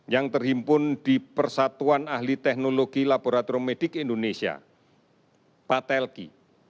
yang terhimpun di persatuan ahli teknologi laboratorium medik indonesia patelki